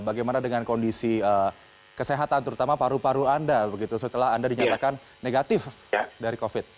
bagaimana dengan kondisi kesehatan terutama paru paru anda setelah anda dinyatakan negatif dari covid